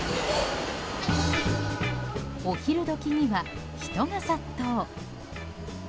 お昼時には人が殺到。